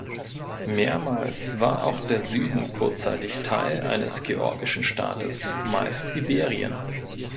Mehrmals war auch der Süden kurzzeitig Teil eines georgischen Staates, meist Iberien.